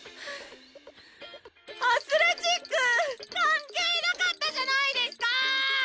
アスレチック関係なかったじゃないですか！